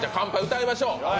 歌いましょう。